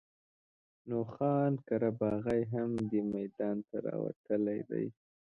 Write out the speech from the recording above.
نو خان قره باغي هم دې میدان ته راوتلی دی.